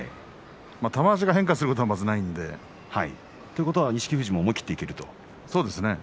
玉鷲が変化をすることはまずないので。ということは錦富士も思い切っていく。